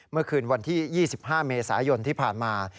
เมื่อคืนวันที่๒๕เมษายนที่ผ่านมา